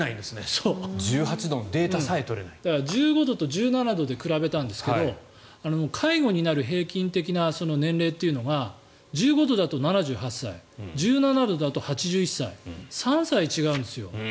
だから、１５度と１７度で比べたんですけど介護になる平均的な年齢というのが１５度だと７８歳１７度だと８１歳３歳違うんですよ。